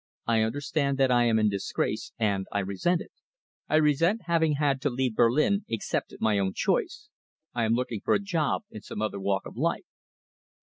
I understand that I am in disgrace, and I resent it. I resent having had to leave Berlin except at my own choice. I am looking for a job in some other walk of life."